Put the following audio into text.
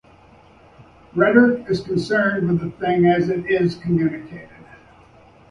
Rhetoric is concerned with the thing as-it-is-communicated.